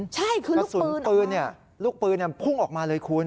ใช่คือกระสุนปืนลูกปืนพุ่งออกมาเลยคุณ